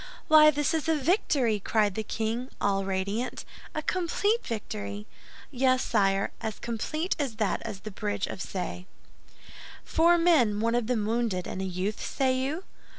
"Why, this is a victory!" cried the king, all radiant, "a complete victory!" "Yes, sire; as complete as that of the Bridge of Ce." "Four men, one of them wounded, and a youth, say you?"